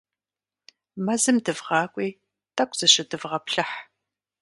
Мэзым дывгъакӀуи, тӀэкӀу зыщыдвгъэплъыхь.